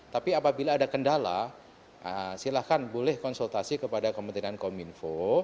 tapi apabila ada kendala silahkan boleh konsultasi kepada kementerian kominfo